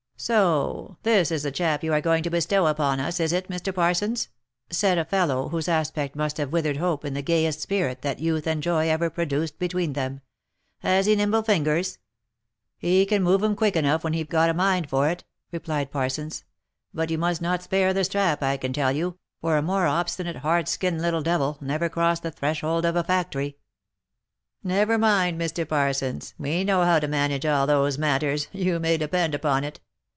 " Soh ! This is the chap you are going to bestow upon us, is it, Mr. Parsons?" said a fellow, whose aspect must have withered hope in the gayest spirit that youth and joy ever produced between them. " Has he nimble fingers?" " He can move 'em quick enough when he've got a mind for it," replied Parsons. " But you must not spare the strap, I can tell you, for a more obstinate hard skinned little devil, never crossed the thres hold of a factory ." u Never mind, Mr. Parsons, we know how to manage all those matters, you may depend upon it.